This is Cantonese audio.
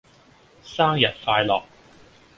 生日快樂